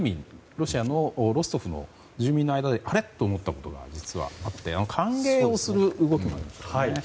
ロシアのロストフの住民の間であれと思ったことが実はあって歓迎する動きもあったんですね。